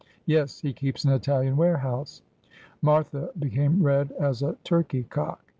' Yes. He keeps an Italian warehouse.' Martha became red as a turkey cock.